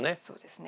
そうですね。